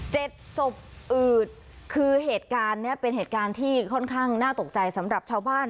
ศพอืดคือเหตุการณ์เนี้ยเป็นเหตุการณ์ที่ค่อนข้างน่าตกใจสำหรับชาวบ้าน